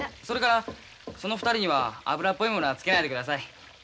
それからその２人には油っぽいものはつけないでください。